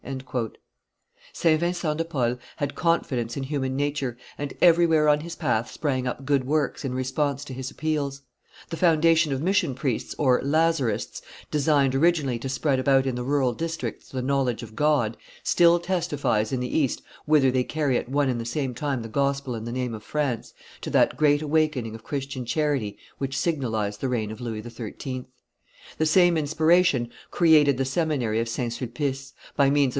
St. Vincent de Paul had confidence in human nature, and everywhere on his path sprang up good works in response to his appeals; the foundation of Mission priests or Lazarists, designed originally to spread about in the rural districts the knowledge of God, still testifies in the East, whither they carry at one and the same time the Gospel and the name of France, to that great awakening of Christian charity which signalized the reign of Louis XIII. The same inspiration created the seminary of St. Sulpice, by means of M.